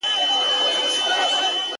• یو تر بله ښه پاخه انډيوالان وه..